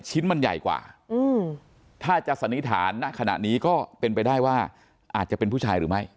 ชิ้นมันใหญ่กว่าถ้าจะสันนิษฐานณขณะนี้ก็เป็นไปได้ว่าอาจจะเป็นผู้ชายหรือไม่